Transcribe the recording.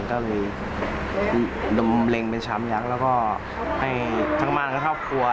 ก็เลยดำเบลงเป็นช้ำยักษ์แล้วก็ให้ทั้งมากับครอบครัว